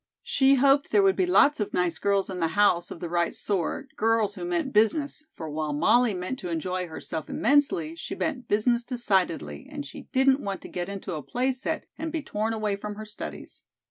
She hoped there would be lots of nice girls in the house of the right sort, girls who meant business, for while Molly meant to enjoy herself immensely, she meant business decidedly, and she didn't want to get into a play set and be torn away from her studies.